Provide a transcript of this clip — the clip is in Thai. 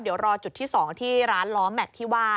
เดี๋ยวรอจุดที่๒ที่ร้านล้อแม็กซ์ที่ว่า